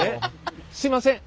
すみません